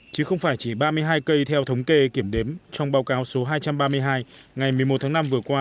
chứ không phải chỉ ba mươi hai cây theo thống kê kiểm đếm trong báo cáo số hai trăm ba mươi hai ngày một mươi một tháng năm vừa qua